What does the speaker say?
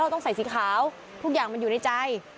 ต้องใส่สีขาวทุกอย่างมันอยู่ในใจ